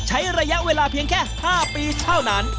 ใช้ระยะเวลาเพียงแค่๕ปีเท่านั้น